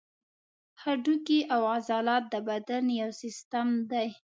هډوکي او عضلات د بدن یو سیستم دی.